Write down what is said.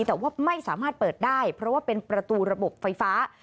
แต่ว่าไม่สามารถเปิดได้เพราะว่าเป็นประตูระบบไฟฟ้า